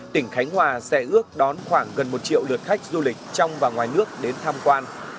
tỉnh khánh hòa sẽ ước đón khoảng gần một triệu lượt khách du lịch trong và ngoài nước đến tham quan